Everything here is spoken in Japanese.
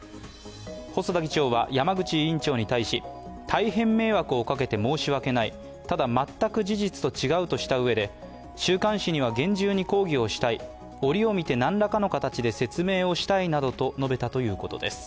細田議長は山口委員長に対し大変迷惑をかけて申し訳ない、ただ全く事実と違うとしたうえで週刊誌には厳重に抗議をしたい、折を見て何らかの形で説明をしたいなどと述べたということです。